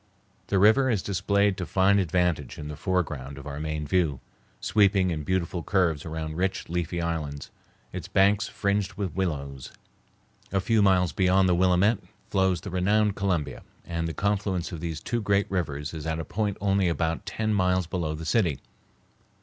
The river is displayed to fine advantage in the foreground of our main view, sweeping in beautiful curves around rich, leafy islands, its banks fringed with willows. A few miles beyond the Willamette flows the renowned Columbia, and the confluence of these two great rivers is at a point only about ten miles below the city.